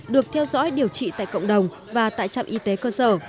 được theo dõi điều trị tại cộng đồng và tại trạm y tế cơ sở